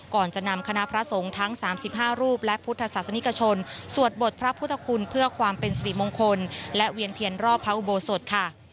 ก่อนจะนำคณะพระสงฆ์ทั้ง๓๕รูปและพุทธศาสนิกชนสวดบทพระพุทธคุณเพื่อความเป็นสิริมงคลและเวียนเทียนรอบพระอุโบสถค่ะ